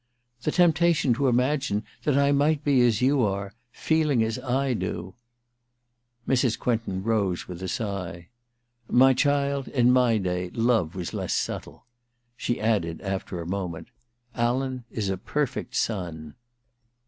* The temptation to imagine that I might be ^syou are — feeling as I do.' Mrs. Quentin rose with a sigh. *My child, in my day love was less subtle.' She added, after a moment :^ Alan is a perfect son.'